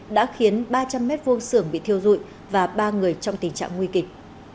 đã khiến ba trăm linh m hai sưởng bị thiêu rụi và ba người trong tình trạng nguy kịch